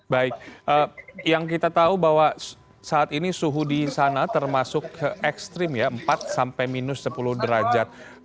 baik yang kita tahu bahwa saat ini suhu di sana termasuk ekstrim ya empat sampai minus sepuluh derajat